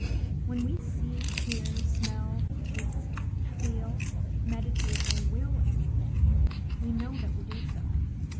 When we see, hear, smell, taste, feel, meditate, or will anything, we know that we do so.